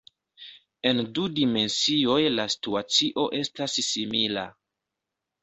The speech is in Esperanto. En du dimensioj la situacio estas simila.